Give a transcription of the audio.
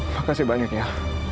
makasih banyak ya